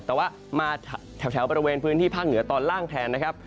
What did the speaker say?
แต่ว่ามาแถวบริเวณพื้นที่ภาคเหนือตอนล่างแทนนะครับ